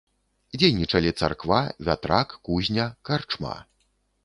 Дзейнічалі царква, вятрак, кузня, карчма.